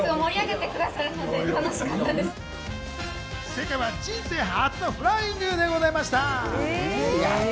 正解は人生初のフライングでございました。